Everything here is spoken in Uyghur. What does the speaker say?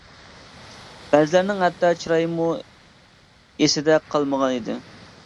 بەزىلىرىنىڭ ھەتتا چىرايىمۇ ئېسىدە قالمىغان ئىدى.